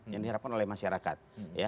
yang diharapkan oleh masyarakat